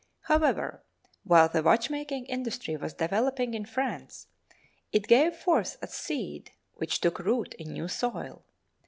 However, while the watchmaking industry was developing in France, it gave forth a seed which took root in new soil.